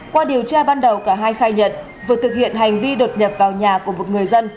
qua điều tra ban đầu cả hai khai nhận vừa thực hiện hành vi đột nhập vào nhà của một người dân